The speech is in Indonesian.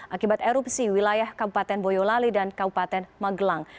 akibat erupsi wilayah kabupaten boyolali dan kabupaten magelang